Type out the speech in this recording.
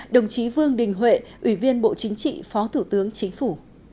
đồng chí vương đình huệ ủy viên bộ chính trị phó thủ tướng chính phủ